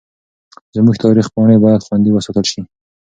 زموږ تاریخي پاڼې باید خوندي وساتل سي.